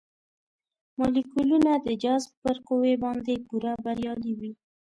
مالیکولونه د جذب پر قوې باندې پوره بریالي وي.